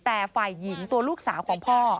แต่ฝ่ายหญิงตัวลูกสาวของพ่อ